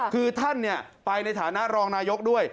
คือท่านไปในฐานะรองนายกด้วย